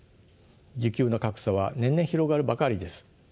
需給の格差は年々広がるばかりです。